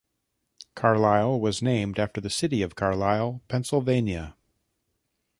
Carlisle was named after the city of Carlisle, Pennsylvania.